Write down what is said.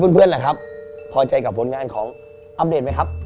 เพื่อนล่ะครับพอใจกับผลงานของอัปเดตไหมครับ